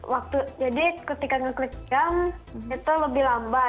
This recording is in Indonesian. waktu jadi ketika ngeklik jam itu lebih lambat